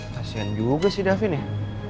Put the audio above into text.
kasian juga sih davi nih